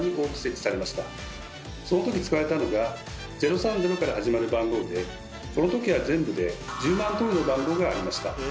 その時使われたのが「０３０」から始まる番号でこの時は全部で１０万通りの番号がありました。